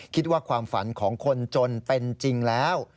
คิดว่าความฝันของคนจนเป็นจริงแล้ว